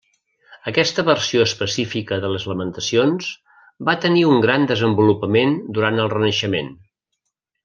Aquesta versió específica de les lamentacions, va tenir un gran desenvolupament durant el renaixement.